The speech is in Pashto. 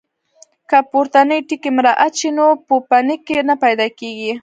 که پورتني ټکي مراعات شي نو پوپنکي نه پیدا کېږي.